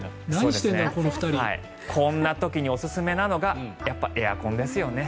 こんな時におすすめなのがやっぱりエアコンです。